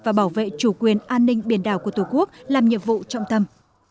và bảo vệ chủ quyền an ninh biển đảo của tổ quốc làm nhiệm vụ trọng tâm